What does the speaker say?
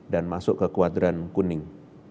dan masuk ke kuadran kuning